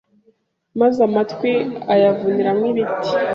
Maze amatwi ayavuniramo ibiti